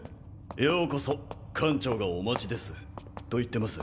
「ようこそ艦長がお待ちです」と言ってます。